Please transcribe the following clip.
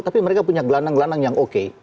tapi mereka punya gelandang gelandang yang oke